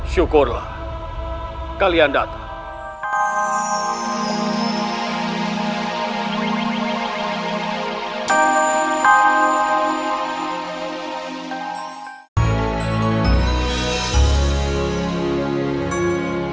syukurlah kalian datang